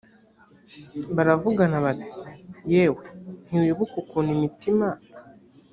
baravugana bati yewe ntiwibuka ukuntu imitima